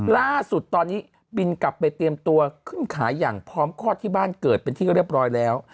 ล่าสุดตอนนี้บินกลับไปเตรียมตัวขึ้นขายอย่างพร้อมคลอดที่บ้านเกิดเป็นที่เรียบร้อยแล้ว